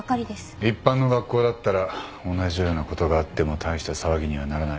一般の学校だったら同じようなことがあっても大した騒ぎにはならない。